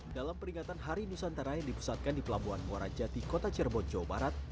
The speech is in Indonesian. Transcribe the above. dalam peringatan hari nusantara yang dipusatkan di pelabuhan muarajati kota cirebon jawa barat